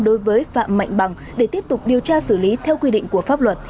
đối với phạm mạnh bằng để tiếp tục điều tra xử lý theo quy định của pháp luật